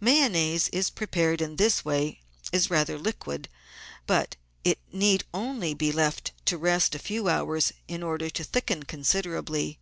Mayonnaise prepared in this way is rather liquid, but it need only be left to rest a few hours in order to thicken con siderably.